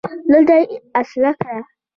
دلته يې اصلاح کړه